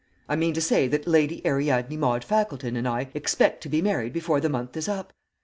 I mean to say that Lady Ariadne Maude Fackleton and I expect to be married before the month is up.